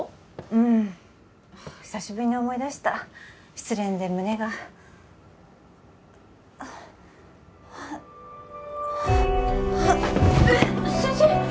うん久しぶりに思い出した失恋で胸があっ先生！